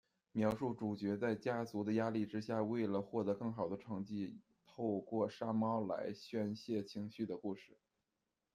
描述主角在家族的压力之下，为了获得更好的成绩，透过杀猫来宣泄情绪的故事。